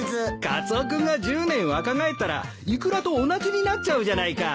カツオ君が１０年若返ったらイクラと同じになっちゃうじゃないか。